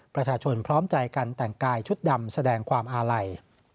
พร้อมใจกันแต่งกายชุดดำแสดงความอาลัย